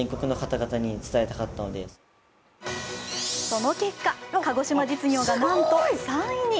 その結果、鹿児島実業がなんと３位に。